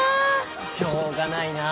しょうがないなあ。